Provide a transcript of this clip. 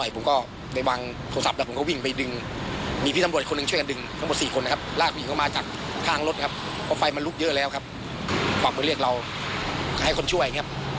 ภายในประมาณไม่ถึง๕นาที